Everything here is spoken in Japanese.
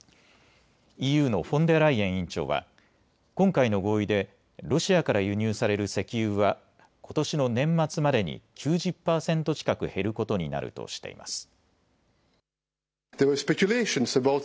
ＥＵのフォンデアライエン委員長は今回の合意でロシアから輸入される石油はことしの年末までに９０％近く減ることになるとしています。